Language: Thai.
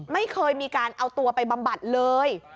ไม่เคยมีการเอาตัวไปบำบัดเลย